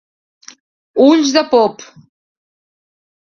Ulls de pop.